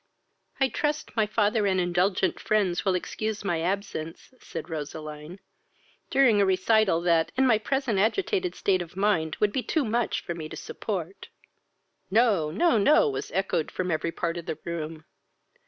"I trust, my father and indulgent friends will excuse my absence, (said Roseline,) during a recital, that, in my present agitated state of mind, would be too much for me to support." "No, no, no!" was echoed from every part of the room.